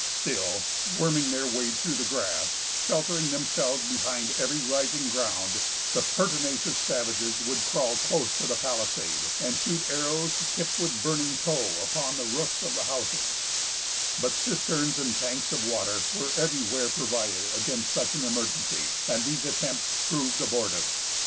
Still, worming their way through the grass, sheltering themselves behind every rising ground, the pertinacious savages would crawl close to the palisade, and shoot arrows, tipped with burning tow, upon the roofs of the houses; but cisterns and tanks of water were everywhere provided against such an emergency, and these attempts proved abortive.